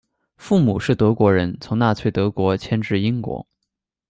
父母是德国人，从纳粹德国迁至英国。